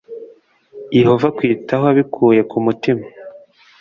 Yehova akwitaho abikuye ku mutima